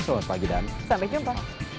selamat pagi dan sampai jumpa